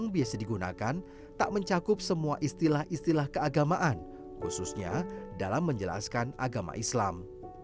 yang biasa digunakan tak mencakup semua istilah istilah keagamaan khususnya dalam menjelaskan agama islam